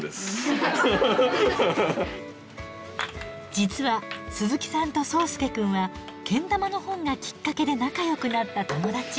実は鈴木さんと想亮くんはけん玉の本がきっかけで仲よくなった友達。